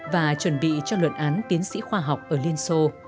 và chuẩn bị cho luận án tiến sĩ khoa học ở liên xô